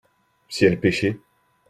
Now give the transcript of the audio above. si elles pêchaient.